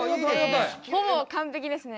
ほぼ完璧ですね。